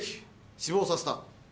死亡させた。